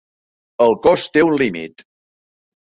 El cos té un límit.